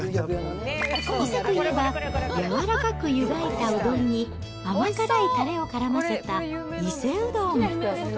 伊勢といえば、軟らかくゆがいたうどんに、甘辛いたれをからませた、伊勢うどん。